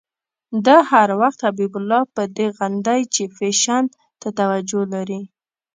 ده هر وخت حبیب الله په دې غندی چې فېشن ته توجه لري.